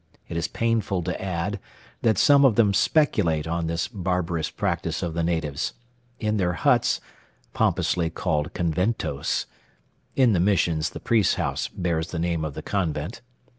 It is painful to add, that some of them speculate on this barbarous practice of the natives. In their huts, pompously called conventos,* (* In the Missions, the priest's house bears the name of the convent.)